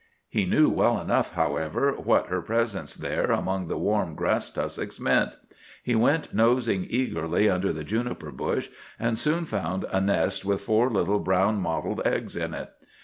He knew well enough, however, what her presence there among the warm grass tussocks meant. He went nosing eagerly under the juniper bush, and soon found a nest with four little brown mottled eggs in it.